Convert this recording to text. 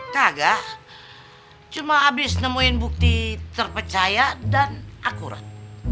kagak cuma abis nemuin bukti terpercaya dan akurat